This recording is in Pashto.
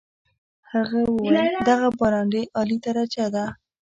هغه وویل دغه برانډې اعلی درجه ده.